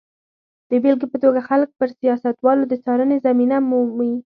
د بېلګې په توګه خلک پر سیاستوالو د څارنې زمینه مومي.